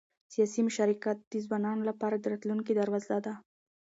سیاسي مشارکت د ځوانانو لپاره د راتلونکي دروازه ده